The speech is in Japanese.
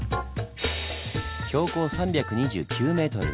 標高３２９ｍ